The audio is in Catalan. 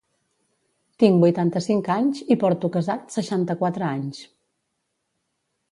Tinc vuitanta-cinc anys i porto casat seixanta-quatre anys.